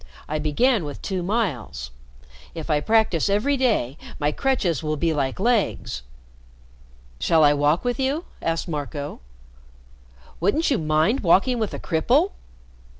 I began with two miles. If I practice every day, my crutches will be like legs." "Shall I walk with you?" asked Marco. "Wouldn't you mind walking with a cripple?"